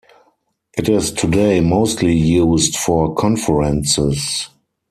It is today mostly used for conferences.